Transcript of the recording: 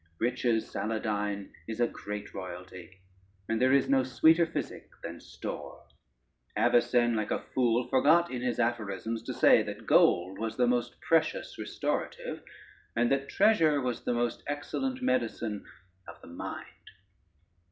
Riches, Saladyne, is a great royalty, and there is no sweeter physic than store. Avicen, like a fool, forgot in his Aphorisms to say that gold was the most precious restorative, and that treasure was the most excellent medicine of the mind.